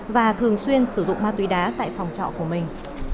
và thường xuyên sử dụng ma túy đá tại phòng trọ của mình